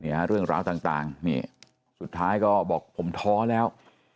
เนี่ยเรื่องราวต่างสุดท้ายก็บอกผมท้อแล้ว